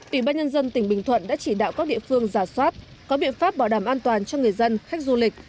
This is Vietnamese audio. ủy ban nhân dân tỉnh bình thuận đã chỉ đạo các địa phương giả soát có biện pháp bảo đảm an toàn cho người dân khách du lịch